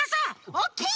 オッケー！